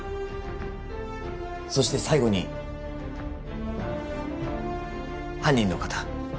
そして最後に犯人の方